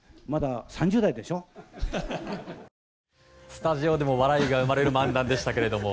スタジオでも笑いが生まれる漫談でしたけども。